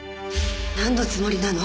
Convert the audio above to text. なんのつもりなの？